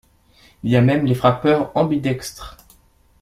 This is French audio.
Il y a même les frappeurs ambidextres.